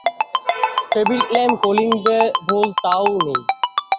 Table lamp, calling বোল-তা-ও নেই।